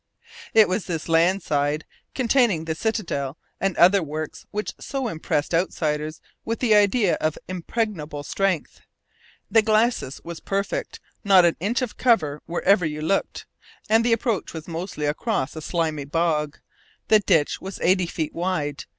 It was this land side, containing the citadel and other works, which so impressed outsiders with the idea of impregnable strength. The glacis was perfect not an inch of cover wherever you looked; and the approach was mostly across a slimy bog. The ditch was eighty feet wide.